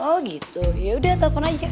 oh gitu yaudah telpon aja